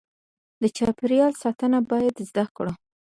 د چاپیریال ساتنه باید زده کړو.